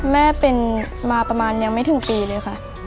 แม่เป็นมาประมาณยังไม่ถึงปีเลยค่ะ